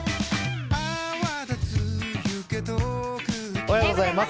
おはようございます。